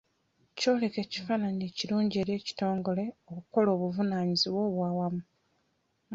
Kyoleka ekifaananyi ekirungi eri ekitongole okukola obuvunaanyizibwa obwa wamu.